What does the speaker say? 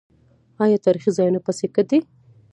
آیا تاریخي ځایونه پیسې ګټي؟